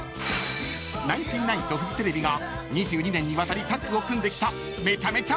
［ナインティナインとフジテレビが２２年にわたりタッグを組んできた］